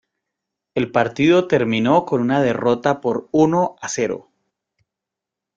El partido terminó con una derrota por uno a cero.